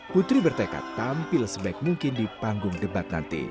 putri bertekad tampil sebaik mungkin di panggung debat nanti